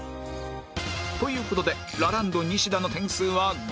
という事でラランドニシダの点数は５点